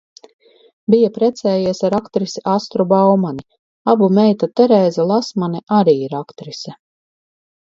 Bija precējies ar aktrisi Astru Baumani, abu meita Terēze Lasmane arī ir aktrise.